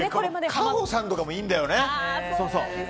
夏帆さんとかもいいんだよね。